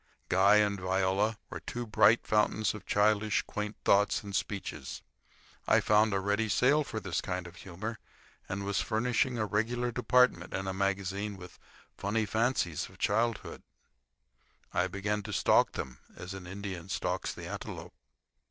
Guy and Viola were two bright fountains of childish, quaint thoughts and speeches. I found a ready sale for this kind of humor, and was furnishing a regular department in a magazine with "Funny Fancies of Childhood." I began to stalk them as an Indian stalks the antelope.